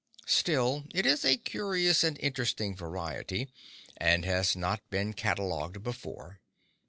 Still, it is a curious and interesting variety, and has not been catalogued before.